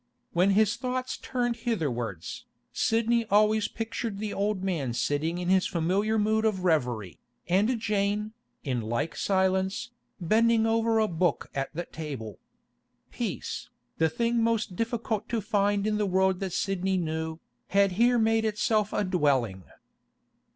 When his thoughts turned hitherwards, Sidney always pictured the old man sitting in his familiar mood of reverie, and Jane, in like silence, bending over a book at the table. Peace, the thing most difficult to find in the world that Sidney knew, had here made itself a dwelling.